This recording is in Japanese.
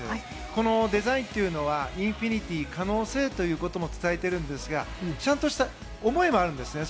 このデザインというのはインフィニティ可能性ということを伝えているんですがちゃんとした思いもあるんですね。